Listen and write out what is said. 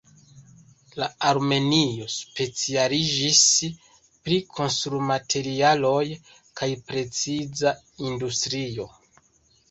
Armenio specialiĝis pri konstrumaterialoj kaj preciza industrio.